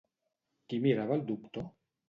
Qui mirava el doctor?